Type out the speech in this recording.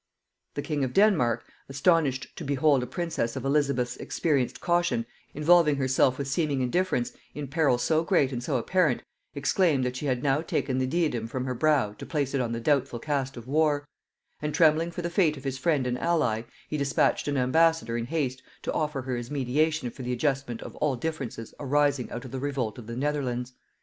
The king of Denmark, astonished to behold a princess of Elizabeth's experienced caution involving herself with seeming indifference in peril so great and so apparent, exclaimed, that she had now taken the diadem from her brow to place it on the doubtful cast of war; and trembling for the fate of his friend and ally, he dispatched an ambassador in haste to offer her his mediation for the adjustment of all differences arising out of the revolt of the Netherlands.